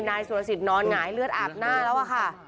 นายสุรสิทธินอนหงายเลือดอาบหน้าแล้วอะค่ะ